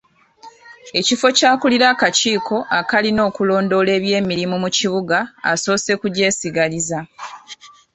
Ekifo ky’akulira akakiiko akalina okulondoola eby’emirimu mu kibuga asoose kugyesigaliza.